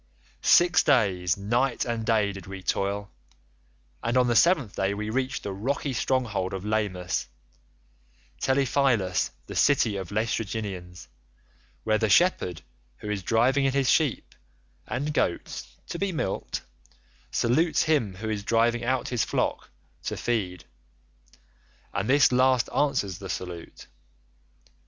Six days, night and day did we toil, and on the seventh day we reached the rocky stronghold of Lamus—Telepylus, the city of the Laestrygonians, where the shepherd who is driving in his sheep and goats [to be milked] salutes him who is driving out his flock [to feed] and this last answers the salute.